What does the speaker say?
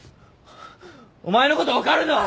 お前のこと分かるのは！